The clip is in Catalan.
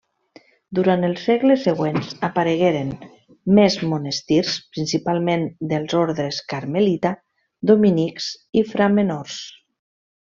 Durant els segles següents aparegueren més monestirs, principalment dels ordes carmelita, dominics i framenors.